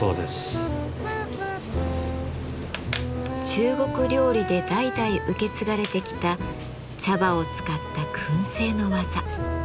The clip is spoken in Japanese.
中国料理で代々受け継がれてきた茶葉を使った燻製の技。